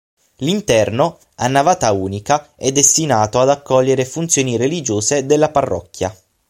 L'interno, a navata unica, è destinato ad accogliere funzioni religiose della parrocchia.